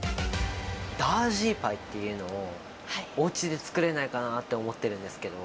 ダージーパイっていうのを、おうちで作れないかなって思ってるんですけど。